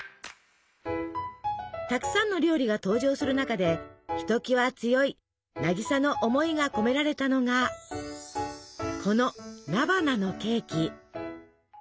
たくさんの料理が登場する中でひときわ強い渚の思いが込められたのがこの菜花のケーキ。